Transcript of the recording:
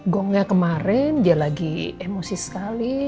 gongnya kemarin dia lagi emosi sekali